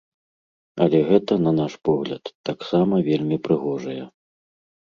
Але гэта, на наш погляд, таксама вельмі прыгожая.